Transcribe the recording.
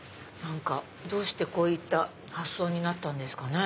どうしてこういった発想になったんですかね。